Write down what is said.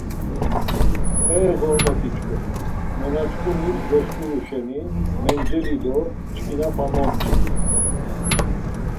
E ğormoti-çkuni! Nena-çkunis goskuru şeni menç̌eli do çkinapa momçit.